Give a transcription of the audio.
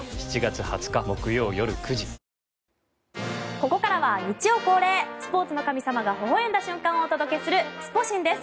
ここからは日曜恒例スポーツの神様がほほ笑んだ瞬間をお届けするスポ神です。